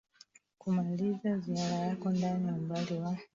kumaliza ziara yako ndani ya umbali wa